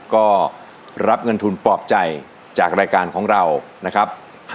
ก็รับเงินทุนปลอบใจจากรายการของเรานะครับ